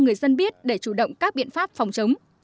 người dân biết để chủ động các biện pháp phòng chống